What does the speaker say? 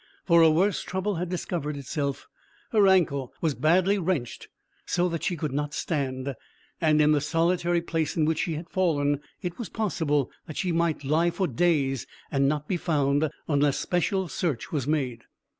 For a worse trouble had discovered itself: her ankle was badly wrenched, so that she could not stand, and in the solitary place in which she had fallen, it was possible that she might lie for days and not be found, unless special search was made.